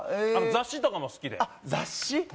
へえ雑誌とかも好きで雑誌？